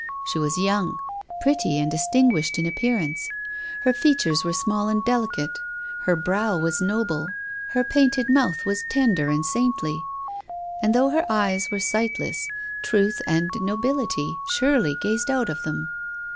She was young, pretty and distinguished in appearance. Her features were small and delicate. Her brow was noble. Her painted mouth was tender and Il6 TONGUES OF COXSCIE\XE. saintly; and, though her eyes wcve sightless, truth and nobility surely gazed out of them.